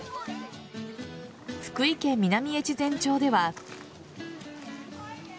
福井県南越前町では。